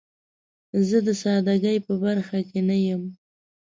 زه د سادګۍ په برخه کې نه یم.